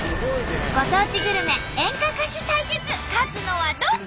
ご当地グルメ演歌歌手対決勝つのはどっち！？